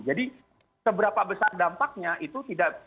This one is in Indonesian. jadi seberapa besar dampaknya itu tidak